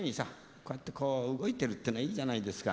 こうやってこう動いてるってのはいいじゃないですか。